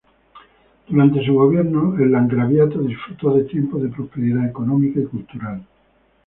Durante su gobierno el landgraviato disfrutó de tiempos de prosperidad económica y cultural.